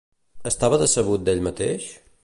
Estava decebut d'ell mateix?